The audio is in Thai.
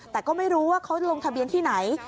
แต่ก็ไม่รู้ว่าเขาลงทะเบียนที่ไหน